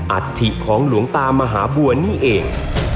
อัฐิของหลวงตามหาบัวนี่เอง